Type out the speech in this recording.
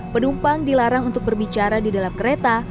penumpang dilarang untuk berbicara di dalam kereta